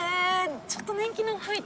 ちょっと年季の入った。